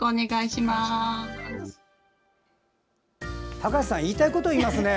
隆志さん言いたいこと言ってますね。